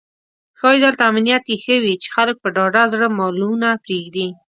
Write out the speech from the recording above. ښایي دلته امنیت یې ښه وي چې خلک په ډاډه زړه مالونه پرېږدي.